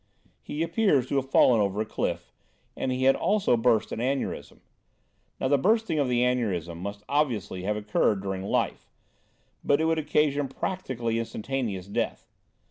"He appears to have fallen over a cliff; and he had also burst an aneurism. Now, the bursting of the aneurism must obviously have occurred during life; but it would occasion practically instantaneous death.